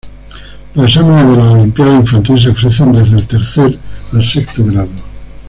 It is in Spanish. Los exámenes de la Olimpiada Infantil se ofrecen desde el tercer al sexto grado.